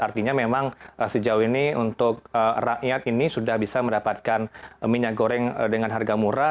artinya memang sejauh ini untuk rakyat ini sudah bisa mendapatkan minyak goreng dengan harga murah